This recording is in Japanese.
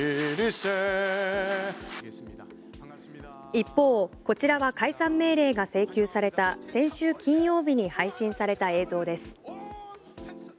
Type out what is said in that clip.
一方、こちらは解散命令が請求された先週金曜日に配信された映像です。